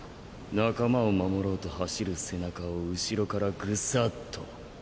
仲間を守ろうと走る背中を後ろからグサっと！